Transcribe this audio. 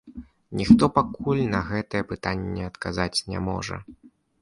Ніхто пакуль на гэтае пытанне адказаць не можа.